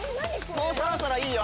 そろそろいいよ。